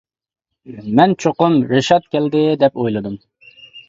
مەن چوقۇم رىشات كەلدى دەپ ئويلىدىم.